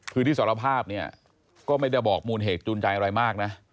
คือที่สารภาพเนี่ยก็ไม่ได้บอกมูลเหตุจูนใจอะไรมากนะ